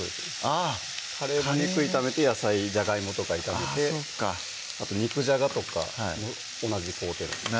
あぁカレーも肉炒めて野菜じゃがいもとか炒めて肉じゃがとかも同じ工程なんです